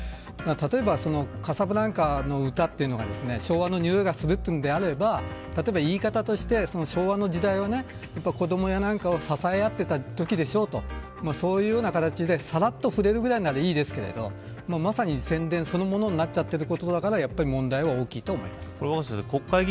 例えばカサブランカの歌というのは昭和のにおいがするのであれば言い方として、昭和の時代は子どもやなんかを支え合っていたときでしょうとそういうような気持ちでさらっと触れるくらいならいいですけどまさに宣伝そのものになっているので問題は大きいと思います。